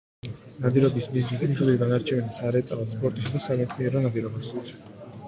ნადირობის მიზნის მიხედვით განარჩევენ სარეწაო, სპორტისა და სამეცნიერო ნადირობას.